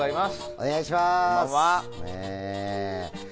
お願いします。